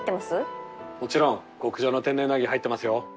もちろん極上の天然ウナギ入ってますよ。